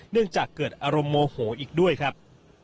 เนื่องจากเกิดอารมณ์โมโหอีกด้วยครับ